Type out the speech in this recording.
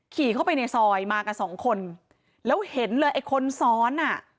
ขี่เข้าไปในซอยมากับสองคนแล้วเห็นเลยไอ้คนซ้อนอ่ะ